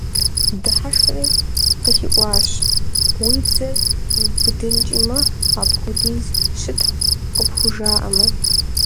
Дыхьэшхри, къыхиӀуащ: – Уи бзэр иубыдынкӀи мэхъу, апхуэдиз щытхъу къыпхужаӀэмэ.